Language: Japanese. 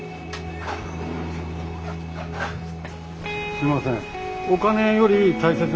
すみません。